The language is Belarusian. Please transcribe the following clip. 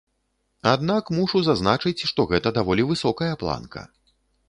Аднак мушу зазначыць, што гэта даволі высокая планка.